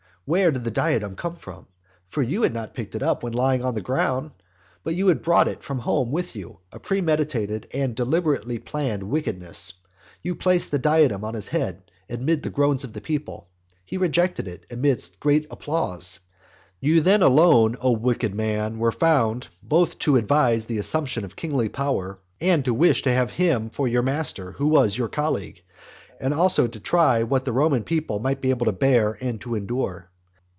Where did the diadem come from? For you had not picked it up when lying on the ground, but you had brought it from home with you, a premeditated and deliberately planned wickedness. You placed the diadem on his head amid the groans of the people; he rejected it amid great applause. You then alone, O wicked man, were found, both to advise the assumption of kingly power, and to wish to have him for your master who was your colleague; and also to try what the Roman people might be able to bear and to endure.